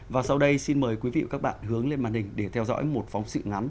và sau đây xin mời quý vị và các bạn hướng lên màn hình để theo dõi một phóng sự ngắn